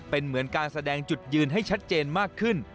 เป็นเหมือนการแสดงจุดยืนให้ชัดเจนมากขึ้น